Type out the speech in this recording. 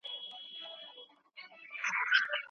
لفظي او فزیکي برخوردونه په کومو حالاتو کې رامنځته سوي دي؟